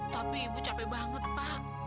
tapi ibu capek banget pak